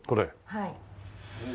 はい。